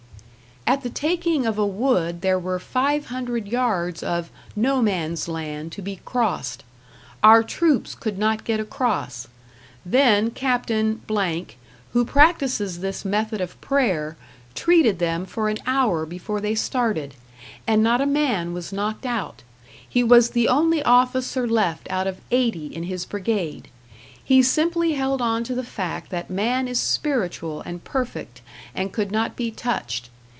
At the taking of a wood there were five hundred yards of "No Man's Land" to be crossed. Our troops could not get across. Then Capt. , who practices this method of prayer, treated them for an hour before they started, and not a man was knocked out. He was the only officer left out of eighty in his brigade. He simply held onto the fact that man is spiritual and perfect and could not be touched.